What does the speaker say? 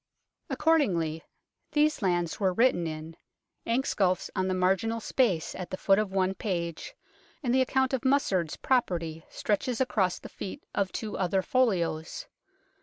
Accordingly, these lands were written in, Ansculf's on the marginal space at the foot of one page, and the account of Musard's property stretches across the feet of two other folios.